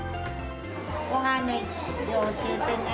ごはんの量を教えてね。